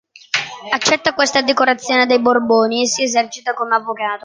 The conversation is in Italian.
Accetta questa decorazione dai Borboni e si esercita come avvocato.